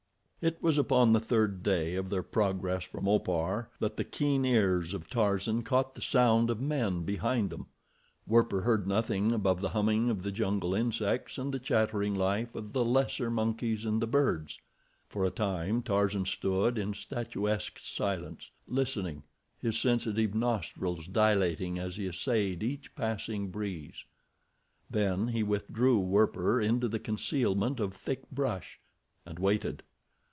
It was upon the third day of their progress from Opar that the keen ears of Tarzan caught the sound of men behind them. Werper heard nothing above the humming of the jungle insects, and the chattering life of the lesser monkeys and the birds. For a time Tarzan stood in statuesque silence, listening, his sensitive nostrils dilating as he assayed each passing breeze. Then he withdrew Werper into the concealment of thick brush, and waited.